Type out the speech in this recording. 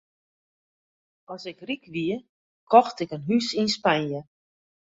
As ik ryk wie, kocht ik in hûs yn Spanje.